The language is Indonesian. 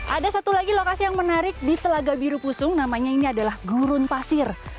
ada satu lagi lokasi yang menarik di telaga biru pusung namanya ini adalah gurun pasir